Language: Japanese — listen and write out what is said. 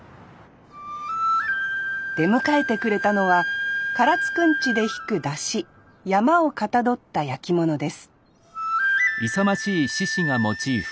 出迎えてくれたのは唐津くんちで引く山車曳山をかたどった焼き物です